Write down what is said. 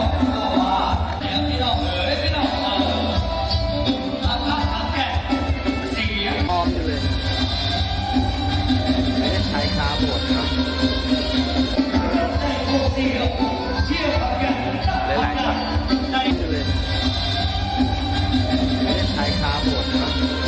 กำลังงานจะออกโบสถ์